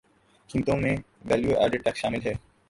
قیمتوں میں value added tax شامل ہے